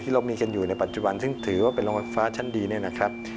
เรามีกันอยู่ในปัจจุบันซึ่งถือว่าเป็นโรงไฟฟ้าชั้นดีเนี่ยนะครับ